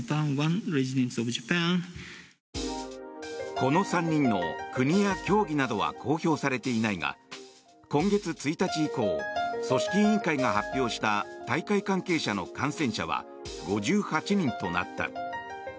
この３人の国や競技などは公表されていないが今月１日以降組織委員会が発表した大会関係者の感染者は５８人となった。